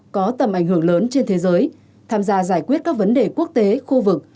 có tầm ảnh hưởng lớn trên thế giới tham gia giải quyết các vấn đề quốc tế khu vực